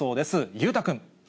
裕太君。